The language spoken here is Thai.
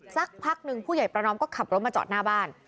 สักพักหนึ่งผู้ใหญ่ประนอมก็ขับรถมาจอดหน้าบ้าน